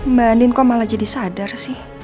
mbak nin kok malah jadi sadar sih